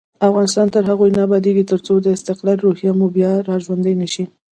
افغانستان تر هغو نه ابادیږي، ترڅو د استقلال روحیه مو بیا راژوندۍ نشي.